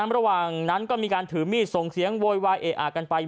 ระหว่างนั้นก็มีการถือมีดส่งเสียงโวยวายเออะกันไป